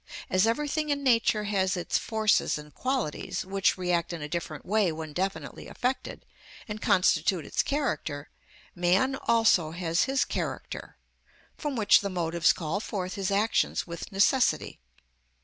As everything in Nature has its forces and qualities, which react in a definite way when definitely affected, and constitute its character, man also has his character, from which the motives call forth his actions with necessity.